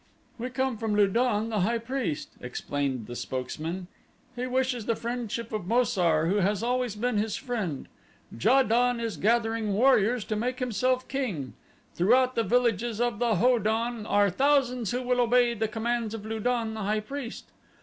"We come from Lu don, the high priest," explained the spokesman. "He wishes the friendship of Mo sar, who has always been his friend. Ja don is gathering warriors to make himself king. Throughout the villages of the Ho don are thousands who will obey the commands of Lu don, the high priest.